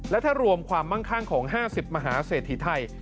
และถ้ารวมความมั่งข้างของ๕๐มหาเศรษฐีไทย